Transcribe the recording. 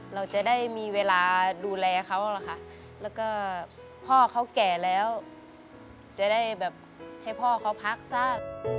เราจะได้มีเวลาดูแลเขาแล้วก็พ่อเขาแก่แล้วจะให้พ่อเขาพักส้า